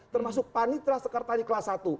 termasuk panitra sekartani kelas satu